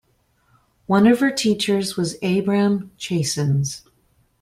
One of her teachers was Abram Chasins.